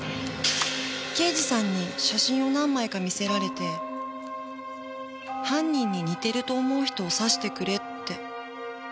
刑事さんに写真を何枚か見せられて犯人に似てると思う人を指してくれって。